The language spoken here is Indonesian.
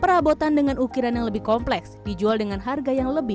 perabotan dengan ukiran yang lebih kompleks dijual dengan harga dua hingga empat juta rupiah